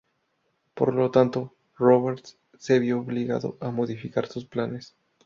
Por lo tanto, Roberts se vio obligado a modificar sus planes.